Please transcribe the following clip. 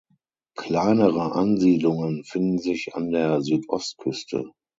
Kleinere Ansiedlungen finden sich an der Südostküste.